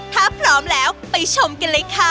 ถ้าพร้อมแล้วไปชมกันเลยค่ะ